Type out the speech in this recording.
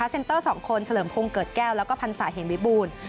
เซ็นเตอร์๒คนเฉลิมพงศ์เกิดแก้วแล้วก็พันศาเหมวิบูรณ์